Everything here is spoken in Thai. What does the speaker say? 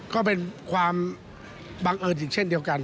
ก็เป็นความบังเอิญอีกเช่นเดียวกัน